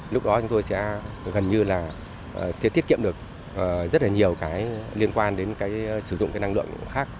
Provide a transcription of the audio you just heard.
lúc đó chúng tôi sẽ gần như là tiết kiệm được rất là nhiều cái liên quan đến cái sử dụng cái năng lượng khác